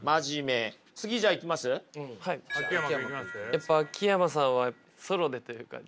やっぱ秋山さんはソロでというか。